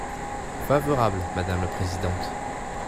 Favorable, madame la présidente.